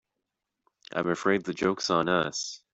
I'm afraid the joke's on us.